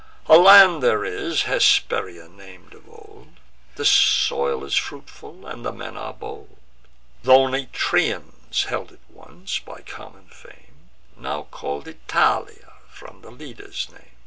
A land there is, Hesperia nam'd of old; The soil is fruitful, and the men are bold Th' Oenotrians held it once, by common fame Now call'd Italia, from the leader's name.